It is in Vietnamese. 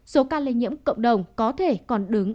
số ca lây nhiễm cộng đồng có thể còn đứng